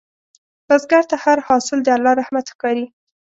بزګر ته هر حاصل د الله رحمت ښکاري